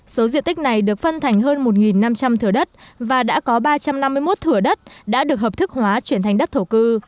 số diện tích này được phân thành hơn một năm trăm linh thửa đất và đã có ba trăm năm mươi một thửa đất đã được hợp thức hóa chuyển thành đất thổ cư